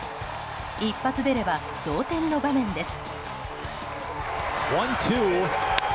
一発出れば同点の場面です。